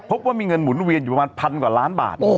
พบว่ามีเงินหมุนเวียนอยู่ประมาณพันกว่าล้านบาท